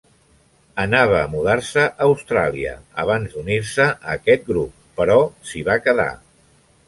Anava a mudar-se a Austràlia abans d'unir-se a aquest grup, però s'hi va quedar.